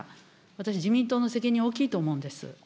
私、自民党の責任、大きいと思うんです。